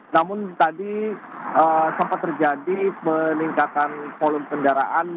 namun tadi sempat terjadi peningkatan volume kendaraan